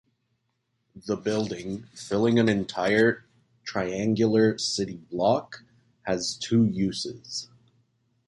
The building, filling an entire triangular city block, has two uses.